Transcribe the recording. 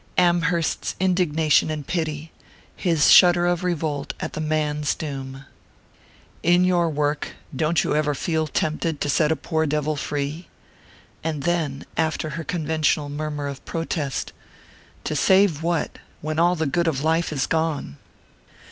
Amherst's indignation and pity...his shudder of revolt at the man's doom. "In your work, don't you ever feel tempted to set a poor devil free?" And then, after her conventional murmur of protest: "_To save what, when all the good of life is gone?